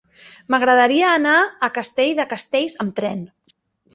M'agradaria anar a Castell de Castells amb tren.